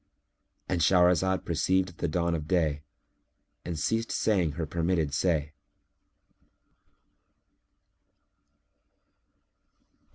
'"[FN#300]——And Shahrazad perceived the dawn of day and ceased saying her permitted say.